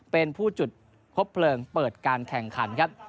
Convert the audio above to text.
เป็นผู้จุดคบเพลิงเปิดการแข่งขันครับ